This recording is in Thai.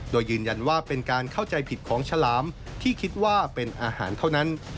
โดยยืนยันว่าเป็นการเข้าใจผิดของฉลามที่คิดว่าเป็นอาหารเท่านั้น